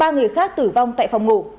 ba người khác tử vong tại phòng ngủ